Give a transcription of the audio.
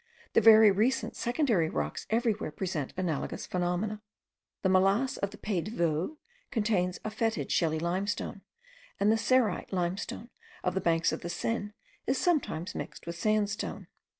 The very recent secondary rocks everywhere present analogous phenomena; the molasse of the Pays de Vaud contains a fetid shelly limestone, and the cerite limestone of the banks of the Seine is sometimes mixed with sandstone.